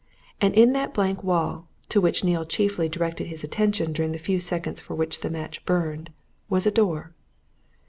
And in that blank wall, to which Neale chiefly directed his attention during the few seconds for which the match burned, was a door.